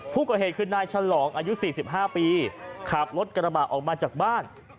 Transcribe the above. ผู้ก่อเหตุคือนายฉลองอายุ๔๕ปีขับรถกระบะออกมาจากบ้าน